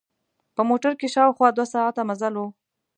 په موټر کې شاوخوا دوه ساعته مزل و.